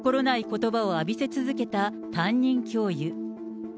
ことばを浴びせ続けた担任教諭。